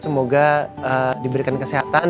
semoga diberikan kesehatan